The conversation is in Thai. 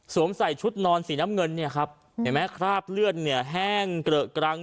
สวมใส่ชุดนอนสีน้ำเงินคราบเลือดแห้งเกรอะกรั้ง